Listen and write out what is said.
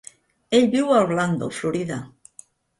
Ell viu a Orlando, Florida.